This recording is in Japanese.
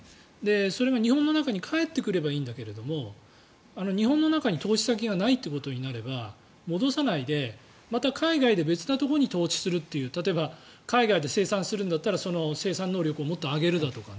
それが日本の中に返ってくればいいんだけど日本の中に投資先がないとなれば戻さないで、また海外で別なところに投資をするっていう例えば海外で生産するならその生産能力をもっと上げるとか。